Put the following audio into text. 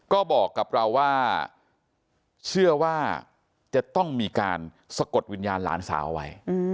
ก็บอกกับเราว่าเชื่อว่าจะต้องมีการสะกดวิญญาณหลานสาวไว้